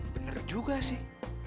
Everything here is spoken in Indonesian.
bener juga sih